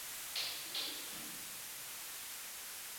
加班费漏给